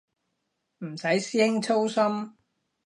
唔使師兄操心